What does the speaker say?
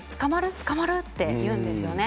捕まる？って言うんですよね。